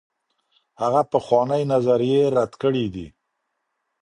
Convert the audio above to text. هغه پخوانۍ نظريې رد کړي دي.